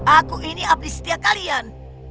aku ini abdi setia kalian